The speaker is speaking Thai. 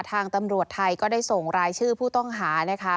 ทางตำรวจไทยก็ได้ส่งรายชื่อผู้ต้องหานะคะ